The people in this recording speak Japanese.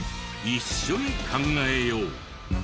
一緒に考えよう。